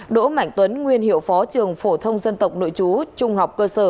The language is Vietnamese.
đỗ mạnh tuấn nguyên hiệu phó trường phổ thông dân tộc nội chú trung học cơ sở